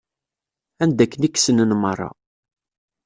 Anda aken i k-snen meṛṛa.